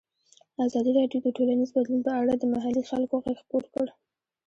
ازادي راډیو د ټولنیز بدلون په اړه د محلي خلکو غږ خپور کړی.